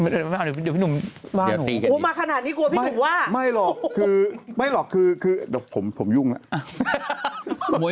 เดี๋ยวผมยุ่งนะ